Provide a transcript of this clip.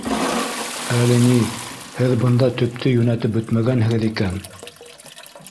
Әле ни, һеҙ бында төптө йүнәтеп бөтмәгәнһегеҙ икән.